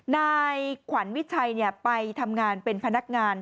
นายขวัญวิชัยไปทำงานเป็นพนักงาน